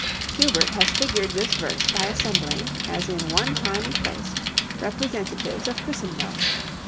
Hubert has figured this verse by assembling, as in one time and place, representatives of Christendom.